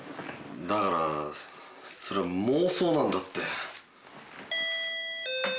だからそれは妄想なんだって。